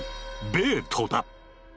ベートだ。